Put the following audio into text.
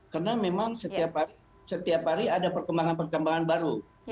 karena memang setiap hari ada perkembangan perkembangan baru